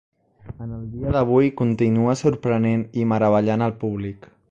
En el dia d'avui, continua sorprenent i meravellant el públic.